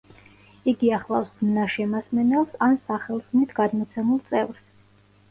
იგი ახლავს ზმნა–შემასმენელს ან სახელზმნით გადმოცემულ წევრს.